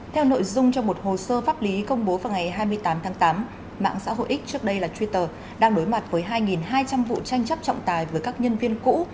theo nội dung trong một hồ sơ pháp lý công bố vào ngày hai mươi tám tháng tám mạng xã hội x trước đây là twitter đang đối mặt với hai hai trăm linh vụ tranh chấp trọng tài với các nhân viên cũ